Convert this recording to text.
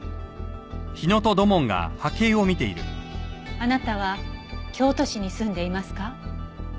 あなたは京都市に住んでいますか？